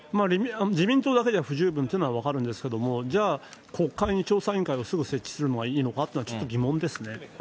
自民党だけでは不十分というのは分かるんですけれども、じゃあ、国会に調査委員会をすぐ設置するのがいいのかっていうのはちそれなんでですか。